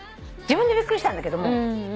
自分でびっくりしたんだけども。